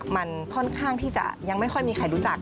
มันค่อนข้างที่จะยังไม่ค่อยมีใครรู้จัก